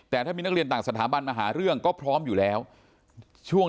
แต่ถ้ามีนักเรียนต่างสถาบันมาหาเรื่องก็พร้อมอยู่แล้วช่วง